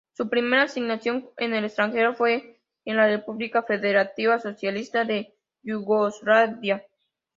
Su primera asignación en el extranjero fue en la República Federativa Socialista de Yugoslavia.